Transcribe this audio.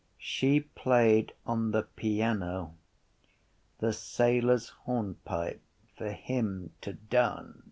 She played on the piano the sailor’s hornpipe for him to dance.